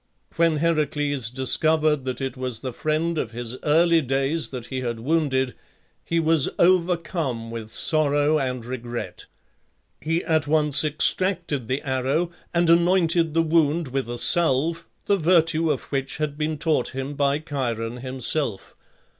When Heracles discovered that it was the friend of his early days that he had wounded, he was overcome with sorrow and regret. He at once extracted the arrow, and anointed the wound with a salve, the virtue of which had been taught him by Chiron himself.